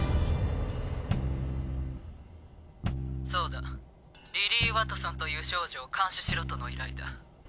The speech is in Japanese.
そうだリリー・ワトソンという少女を監視しろとの依頼だ。